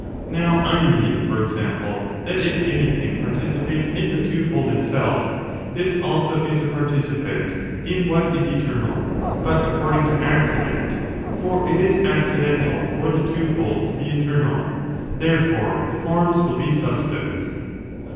Now, I mean, for example, that if anything participates int the twofold itself, this also is a participant in what is eternal, but according to accident, for it is accidental for ^ the twofold to be eternal. Therefore, the forms . wiU. be substance.